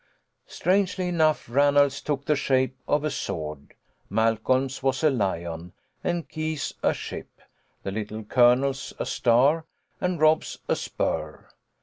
Strangely enough, Ranald's took the shape of a sword. Mal colm's was a lion and Keith's a ship, the Little Colonel's a star and Rob's a spur.